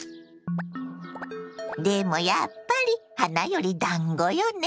でもやっぱり花よりだんごよね。